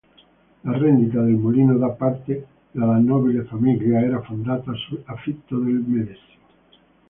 La rendita del mulino da parte della nobile famiglia era fondata sull'affitto del medesimo.